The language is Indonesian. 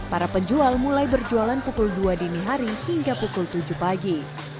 para penjual mulai berjualan pukul dua dini hari hingga pukul tujuh pagi